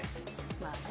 まあね。